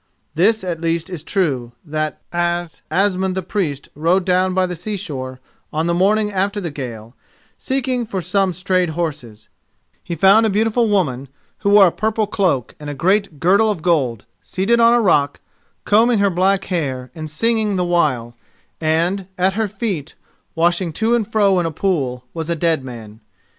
This at the least is true, that, as Asmund the Priest rode down by the sea shore on the morning after the gale, seeking for some strayed horses, he found a beautiful woman, who wore a purple cloak and a great girdle of gold, seated on a rock, combing her black hair and singing the while; and, at her feet, washing to and fro in a pool, was a dead man.